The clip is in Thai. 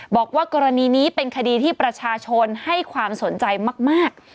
บอกว่ากรณีนี้เป็นคดีที่ประชาชนให้ความสนใจมาก